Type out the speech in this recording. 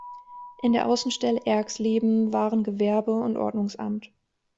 In der Außenstelle Erxleben waren Gewerbe- und Ordnungsamt.